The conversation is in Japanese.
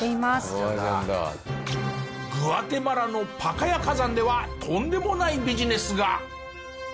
グアテマラのパカヤ火山ではとんでもないビジネスが。